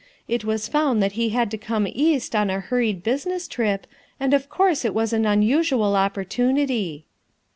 It was found that he had to come East on a hurried business trip, and of course it was an unusual oppor tunity."